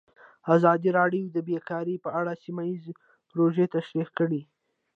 ازادي راډیو د بیکاري په اړه سیمه ییزې پروژې تشریح کړې.